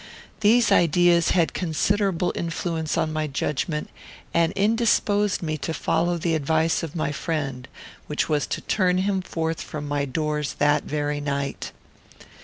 These ideas had considerable influence on my judgment, and indisposed me to follow the advice of my friend, which was to turn him forth from my doors that very night.